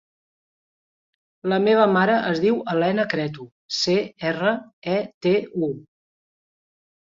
La meva mare es diu Elena Cretu: ce, erra, e, te, u.